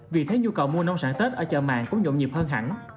vì thế nhu cầu mua nông sản tết ở chợ màng cũng nhộn nhịp hơn hẳn